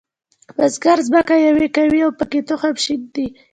بزګر ځمکه یوي کوي او پکې تخم شیندي.